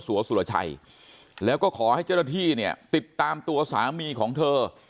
สุรชัยแล้วก็ขอให้เจ้าหน้าที่เนี่ยติดตามตัวสามีของเธอ